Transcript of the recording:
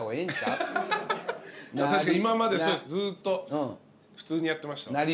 確かに今までずっと普通にやってました。